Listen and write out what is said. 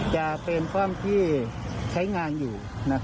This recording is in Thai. จะเป็นความที่ใช้งานอยู่